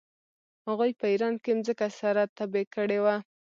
هغوی په ایران کې مځکه سره تبې کړې وه.